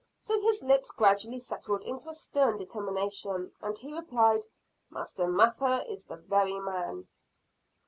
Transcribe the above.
So his lips gradually settled into a stern determination, and he replied "Master Mather is the very man."